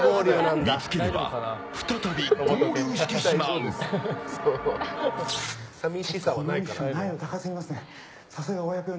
見つければ、再び合流してしまう。